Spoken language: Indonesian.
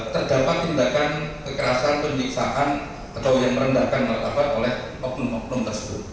terdapat tindakan kekerasan penyiksaan atau yang merendahkan martabat oleh oknum oknum tersebut